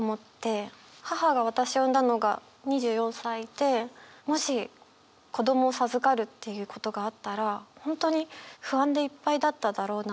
母が私を産んだのが２４歳でもし子どもを授かるっていうことがあったら本当に不安でいっぱいだっただろうなと思って。